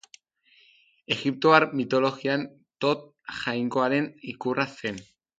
Egiptoar mitologian Tot jainkoaren ikurra zen.